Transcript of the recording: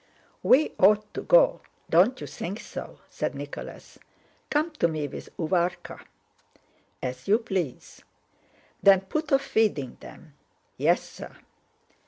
"We ought to go, don't you think so?" said Nicholas. "Come to me with Uvárka." "As you please." "Then put off feeding them." "Yes, sir."